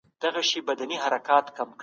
له کاروان څخه مه پاتې کېږئ.